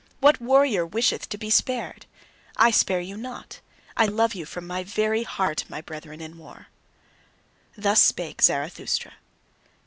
What warrior wisheth to be spared! I spare you not, I love you from my very heart, my brethren in war! Thus spake Zarathustra.